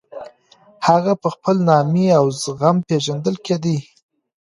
هغه په خپل نامې او زغم پېژندل کېدی.